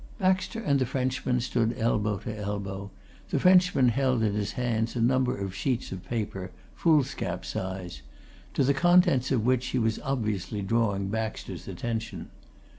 Baxter and the Frenchman stood elbow to elbow; the Frenchman held in his hands a number of sheets of paper, foolscap size, to the contents of which he was obviously drawing Baxter's attention.